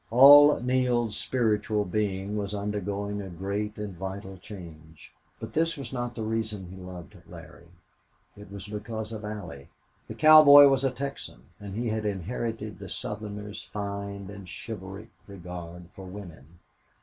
All Neale's spiritual being was undergoing a great and vital change, but this was not the reason he loved Larry. It was because of Allie. The cowboy was a Texan and he had inherited the Southerner's fine and chivalric regard for women.